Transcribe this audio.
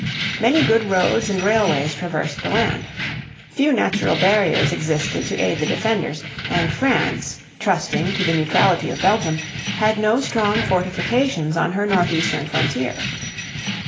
Many good roads and railways traversed the land. Few natural barriers existed to aid the defenders, and France, trusting to the neutrality of Belgium, had no strong fortifications on her northeastern frontier.